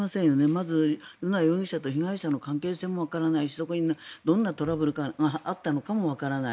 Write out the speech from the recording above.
まず、瑠奈容疑者と被害者の関係性もわからないしそこにどんなトラブルがあったのかもわからない。